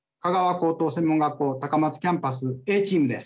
高等専門学校高松キャンパスＡチームです。